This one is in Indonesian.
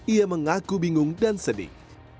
ia mengaku bingung dan sedih